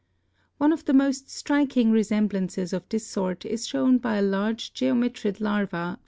One of the most striking resemblances of this sort is shown by a large geometrid larva found near Fig.